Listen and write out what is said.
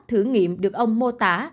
thử nghiệm được ông mô tả